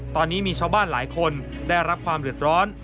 ตอนนี้มีชาวบ้านหลายคนได้รับความเดือดร้อน